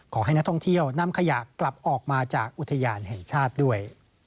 ขอให้นักท่องเที่ยวนำขยะกลับออกมาจากอุทยานแห่งชาติด้วย